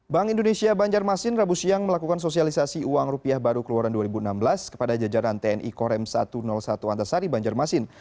bank indonesia banjarmasin rabu siang melakukan sosialisasi uang rupiah baru keluaran dua ribu enam belas kepada jajaran tni korem satu ratus satu antasari banjarmasin